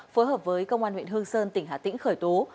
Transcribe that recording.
phối hợp với công an huyện hương sơn tỉnh hà tĩnh khởi tố